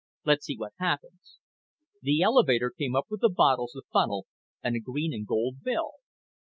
Let's see what happens." The elevator came up with the bottles, the funnel and a green and gold bill.